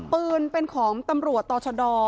ปืนเป็นของตำรวจตชร